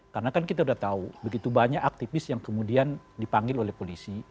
karena kan kita sudah tahu begitu banyak aktivis yang kemudian dipanggil oleh polisi